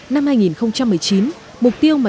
năm hai nghìn một mươi chín mục tiêu mà